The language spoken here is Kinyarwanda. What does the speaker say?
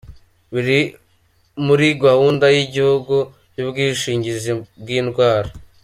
Biri muri gahunda y’igihugu y’Ubwishingizi bw’indwara.